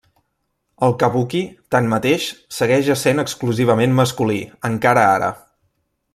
El kabuki, tanmateix, segueix essent exclusivament masculí encara ara.